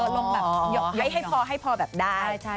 อ๋อลงแบบให้พอแบบได้